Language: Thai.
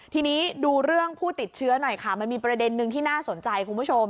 ทีนี้ดูเรื่องผู้ติดเชื้อหน่อยค่ะมันมีประเด็นนึงที่น่าสนใจคุณผู้ชม